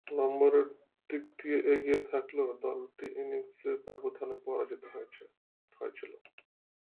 নম্বরের দিক দিয়ে এগিয়ে থাকলেও দলটি ইনিংসের ব্যবধানে পরাজিত হয়েছিল।